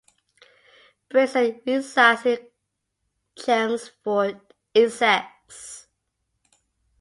Brazier resides in Chelmsford, Essex.